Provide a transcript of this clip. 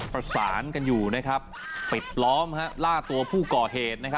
ประสานกันอยู่ปิดล้อมล่าตัวผู้ก่อเหตุ